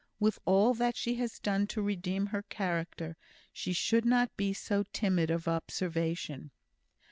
With all that she has done to redeem her character, she should not be so timid of observation."